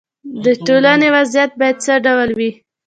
د ټولنې وضعیت باید څه ډول وي.